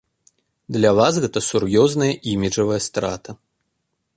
Для вас гэта сур'ёзная іміджавая страта.